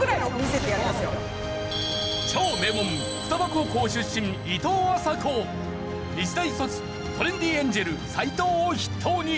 超名門雙葉高校出身いとうあさこ日大卒トレンディエンジェル斎藤を筆頭に。